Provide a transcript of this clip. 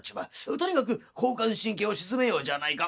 とにかく交感神経を鎮めようじゃないか。